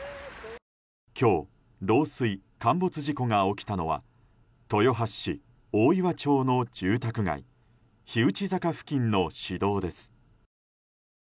今日漏水・陥没事故が起きたのは豊橋市大岩町の住宅街火打坂付近の市道です。